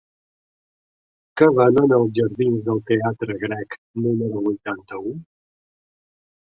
Què venen als jardins del Teatre Grec número vuitanta-u?